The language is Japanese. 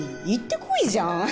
行ってこいじゃん？